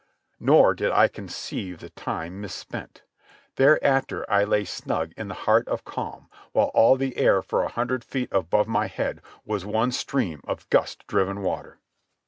Nor did I conceive the time misspent. Thereafter I lay snug in the heart of calm while all the air for a hundred feet above my head was one stream of gust driven water.